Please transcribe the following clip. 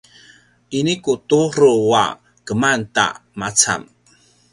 ini ku turu a keman ta macam